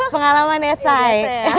pengalaman ya say